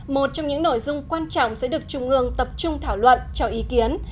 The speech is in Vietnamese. một trong những nội dung quan trọng sẽ được trung ương tập trung thảo luận cho ý kiến